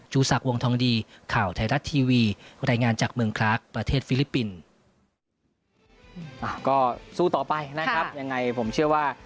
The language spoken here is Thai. สู้ต่อไปนะครับยังไงผมเชื่อว่า